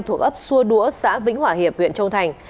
thuộc ấp xua đũa xã vĩnh hòa hiệp huyện châu thành